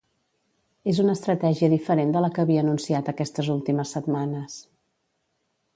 És una estratègia diferent de la que havia anunciat aquestes últimes setmanes.